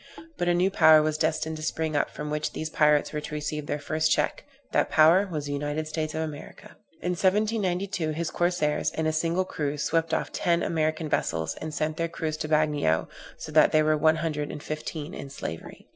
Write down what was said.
But a new power was destined to spring up, from which these pirates were to receive their first check; that power was the United States of America. In 1792 his corsairs, in a single cruise, swept off ten American vessels, and sent their crews to the Bagnio, so that there were one hundred and fifteen in slavery.